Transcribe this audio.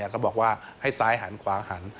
เขาบอกว่าให้ซ้ายหันขวาหัน